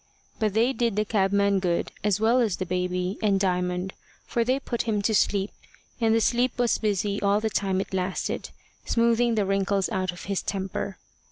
But they did the cabman good as well as the baby and Diamond, for they put him to sleep, and the sleep was busy all the time it lasted, smoothing the wrinkles out of his temper.